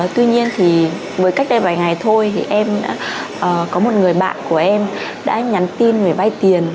tuy nhiên thì với cách đây vài ngày thôi thì em có một người bạn của em đã nhắn tin về vay tiền